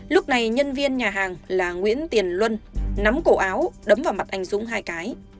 lúc này nhân viên nhà hàng là nguyễn tiền luân nắm cổ áo đấm vào mặt anh dũng hai cái